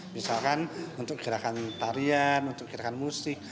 misalkan untuk gerakan tarian untuk gerakan musik